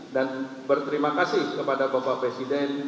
dan berterima kasih kepada bapak presiden